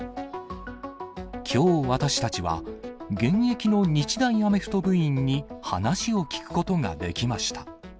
きょう、私たちは現役の日大アメフト部員に話を聞くことができました。